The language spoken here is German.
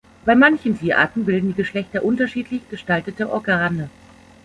Bei manchen Tierarten bilden die Geschlechter unterschiedlich gestaltete Organe.